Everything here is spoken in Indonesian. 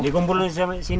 dikumpulkan sampai sini